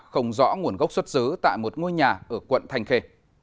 không rõ nguồn gốc xuất xứ tại một ngôi nhà ở quận thanh khê